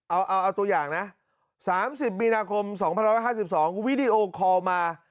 เอาตัวอย่างนะ๓๐มีนาคม๒๕๒วิดีโอคอลมา